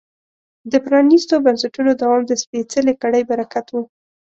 د پرانیستو بنسټونو دوام د سپېڅلې کړۍ برکت و.